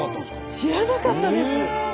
知らなかったです！